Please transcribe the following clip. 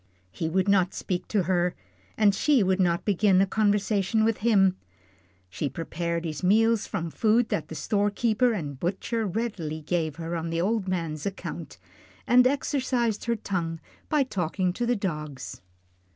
He would not speak to her, and she would not begin a conversation with him. She prepared his meals from food that the storekeeper and butcher readily gave her on the old man's account, and exercised her tongue by talking to her dogs.